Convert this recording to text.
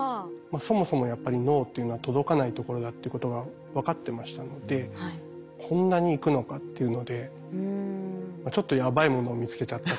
そもそもやっぱり脳っていうのは届かないところだっていうことが分かってましたのでこんなに行くのかっていうのでちょっとやばいものを見つけちゃったかなという気もしました。